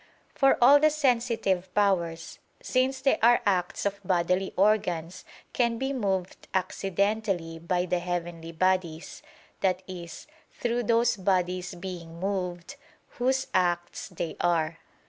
For all the sensitive powers, since they are acts of bodily organs, can be moved accidentally, by the heavenly bodies, i.e. through those bodies being moved, whose acts they are.